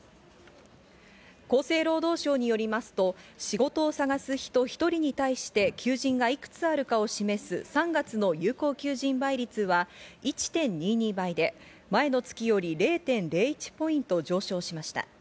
厚生労働省によりますと、仕事を探す人１人に対して求人が幾つあるかを示す３月の有効求人倍率は１．２２倍で、前の月より０．０１ポイント上昇しました。